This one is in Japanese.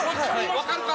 わかるか？